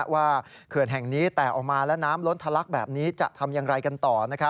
เขื่อนแห่งนี้แตกออกมาและน้ำล้นทะลักแบบนี้จะทำอย่างไรกันต่อ